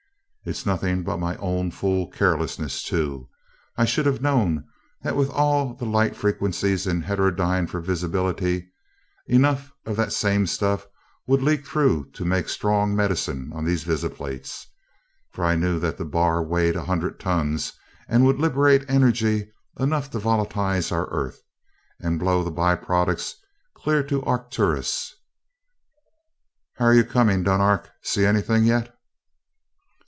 "It's nothing but my own fool carelessness, too. I should have known that with all the light frequencies in heterodyne for visibility, enough of that same stuff would leak through to make strong medicine on these visiplates for I knew that that bar weighed a hundred tons and would liberate energy enough to volatilize our Earth and blow the by products clear to Arcturus. How're you coming, Dunark? See anything yet?"